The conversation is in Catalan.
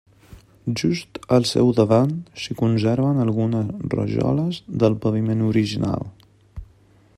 Just al seu davant, s'hi conserven algunes rajoles del paviment original.